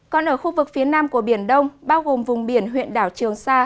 còn ở khu vực phía nam của biển đông bao gồm vùng biển huyện đảo trường sa